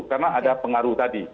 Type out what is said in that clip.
karena ada pengaruh tadi